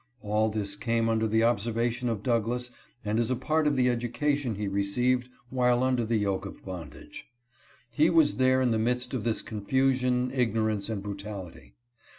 All this came under the observation of Douglass and is a part of the education he received while under the yoke of bondage. He was there in the midst of this confusion, ignorance, and brutality.